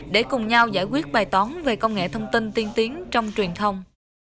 để cùng nhau giải quyết bài toán về công nghệ thông tin tiên tiến trong truyền thông